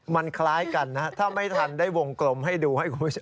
มันคล้ายกันถ้าไม่ทันได้วงกลมให้ดู